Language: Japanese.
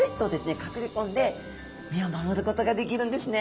隠れ込んで身を守ることができるんですね。